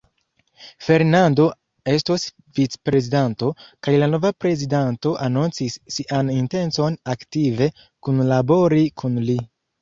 Fernando estos vicprezidanto, kaj la nova prezidanto anoncis sian intencon aktive kunlabori kun li.